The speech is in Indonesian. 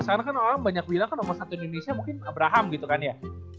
karena kan orang banyak bilang nomor satu indonesia mungkin abraham gitu kan ya